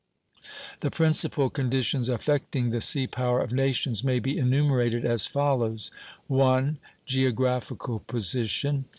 The principal conditions affecting the sea power of nations may be enumerated as follows: I. Geographical Position.